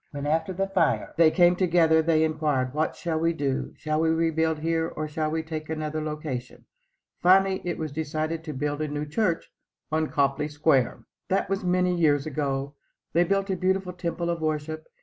When, after the fire, they came together, they inquired, "What shall we do? Shall we rebuild here or shall we take another location?" Finally it was decided to build a new church on Copley Square. That was many years ago. They built a beautiful temple of worship.